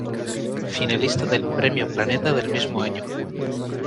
Finalista del Premio Planeta del mismo año.